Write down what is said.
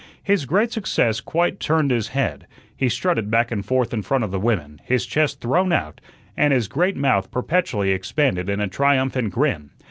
His great success quite turned his head; he strutted back and forth in front of the women, his chest thrown out, and his great mouth perpetually expanded in a triumphant grin.